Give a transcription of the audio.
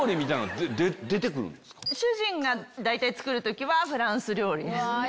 主人が作る時はフランス料理です。